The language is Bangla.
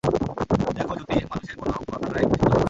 দেখো যতী, মানুষের কোনো কথাটাই সোজা নয়।